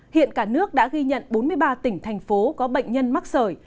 hiện cả nước đã ghi nhận bốn mươi ba tỉnh thành phố có bệnh nhân mắc sởi